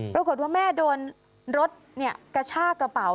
ปรากฏว่าแม่โดนรถกระชากระเป๋า